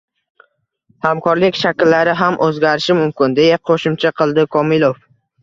Hamkorlik shakllari ham o‘zgarishi mumkin”, — deya qo‘shimcha qildi Komilov